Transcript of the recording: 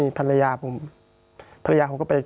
พี่เรื่องมันยังไงอะไรยังไง